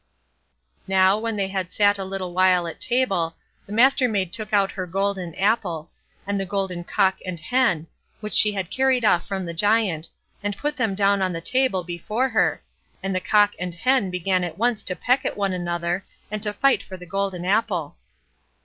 Now, when they had sat a little while at table, the Mastermaid took out her golden apple, and the golden cock and hen, which she had carried off from the Giant, and put them down on the table before her, and the cock and hen began at once to peck at one another, and to fight for the golden apple.